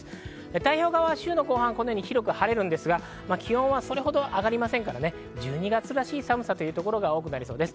太平洋側は週の後半は広く晴れるんですが、気温はそれほど上がりませんから１２月らしい寒さという所が多くなりそうです。